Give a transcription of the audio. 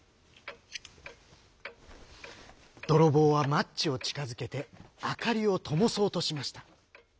どろぼうはマッチをちかづけてあかりをともそうとしました。